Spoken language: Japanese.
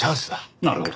なるほど。